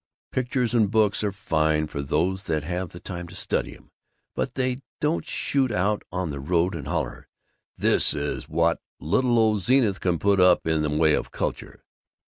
"Pictures and books are fine for those that have the time to study 'em, but they don't shoot out on the road and holler 'This is what little old Zenith can put up in the way of Culture.